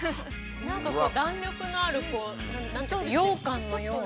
◆なんか弾力のあるようかんのような。